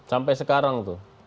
sampai sekarang tuh